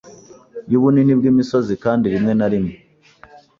yubunini bwimisozi kandi rimwe na rimwe